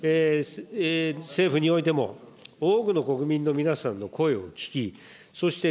政府においても、多くの国民の皆さんの声を聞き、そして、